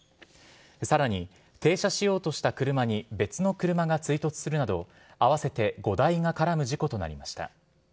さらに停車しようとした車に別の車が追突するなど、合わせて５台が絡む事故となりました。